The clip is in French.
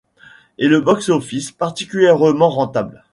Et le box-office particulièrement rentable.